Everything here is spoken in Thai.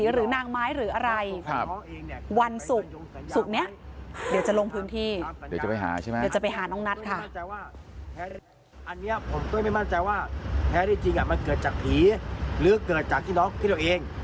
หรือเกิดจากพี่น้องพี่ตัวเอง